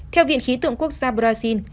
theo viện khí tượng quốc gia brazil